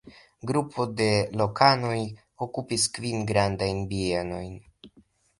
Grupo de lokanoj okupis kvin grandajn bienojn.